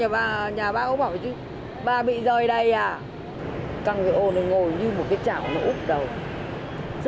bà nguyễn thị hà bà chẳng may bị tụt huyết áp chóng mặt